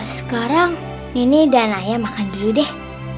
sekarang nenek dan ayah makan dulu deh